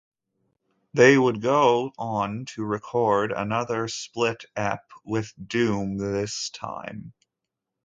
They would go on to record another split ep, with Doom this time.